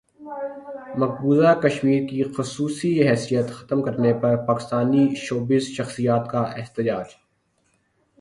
مقبوضہ کشمیر کی خصوصی حیثیت ختم کرنے پر پاکستانی شوبز شخصیات کا احتجاج